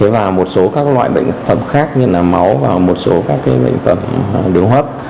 và một số các loại bệnh phẩm khác như là máu và một số các bệnh phẩm đường hấp